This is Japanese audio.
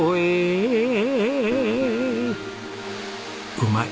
うまい。